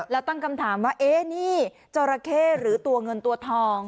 แล้วตั้งคำถามว่าเอ๊ะนี่จราเข้หรือตัวเงินตัวทอง